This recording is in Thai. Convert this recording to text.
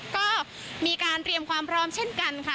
ก็มีการเตรียมความพร้อมเช่นกันค่ะ